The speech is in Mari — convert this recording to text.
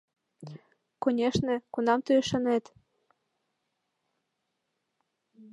— Конешне, кунам тый ӱшанет?